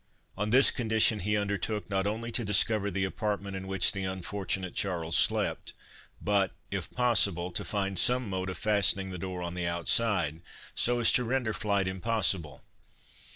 On this condition he undertook, not only to discover the apartment in which the unfortunate Charles slept, but, if possible, to find some mode of fastening the door on the outside, so as to render flight impossible.